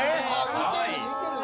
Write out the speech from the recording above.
見てるね。